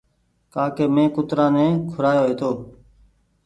ڪآ ڪي مينٚ ڪترآ ني کورآيو هيتو